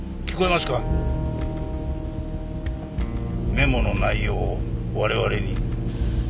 メモの内容を我々に。